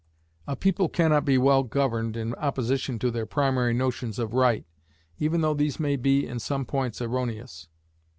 A people can not be well governed in opposition to their primary notions of right, even though these may be in some points erroneous.